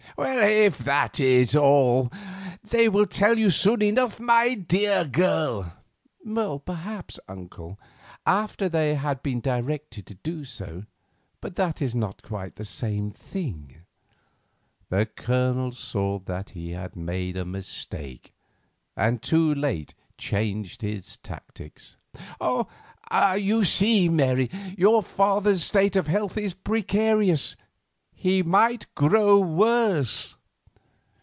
"If that is all, they will tell you so soon enough, my dear girl." "Perhaps, uncle, after they have been directed to do so, but that is not quite the same thing." The Colonel saw that he had made a mistake, and too late changed his tactics. "You see, Mary, your father's state of health is precarious; he might grow worse."